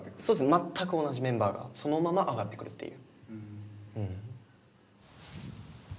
全く同じメンバーがそのまま上がってくるっていう。